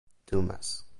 Dumas.